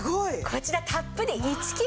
こちらたっぷり１キロ。